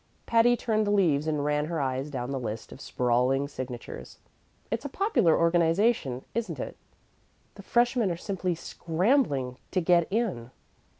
Patty turned the leaves and ran her eyes down the list of sprawling signatures. "It's a popular organization, isn't it? The freshmen are simply scrambling to get in."